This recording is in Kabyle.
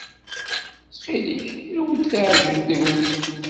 Ttxil-k, ɣiwel, teɛjel tegnit.